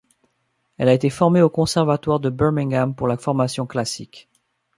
Elle a été formée au Conservatoire de Birmingham pour la formation classique.